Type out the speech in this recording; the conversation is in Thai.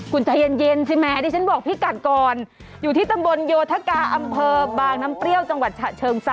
คุณใจเย็นใช่ไหมดิฉันบอกพี่กัดก่อนอยู่ที่ตำบลโยธกาอำเภอบางน้ำเปรี้ยวจังหวัดฉะเชิงเซา